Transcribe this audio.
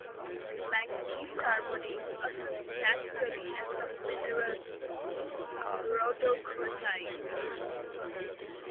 Manganese carbonate occurs naturally as the mineral rhodochrosite.